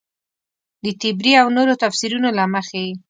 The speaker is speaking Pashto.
د طبري او نورو تفیسیرونو له مخې.